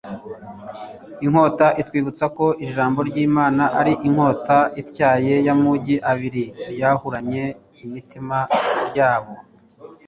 inkota itwibutsa ko ijambo ry'imana ari nk'inkota ityaye y'amugi abiri ryahuranya imitima ry'abo